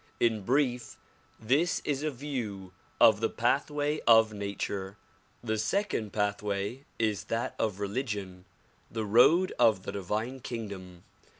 In brief, this is a view of the pathway of nature. The second pathway is that of religion, the road of the divine kingdom.